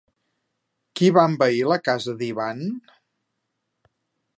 Qui va envair la casa d'Ivan?